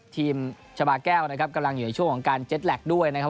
ชาบาแก้วนะครับกำลังอยู่ในช่วงของการเจ็ตแล็กด้วยนะครับ